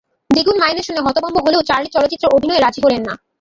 দ্বিগুণ মাইনে শুনে হতভম্ব হলেও চার্লি চলচ্চিত্রে অভিনয়ে রাজি হলেন না।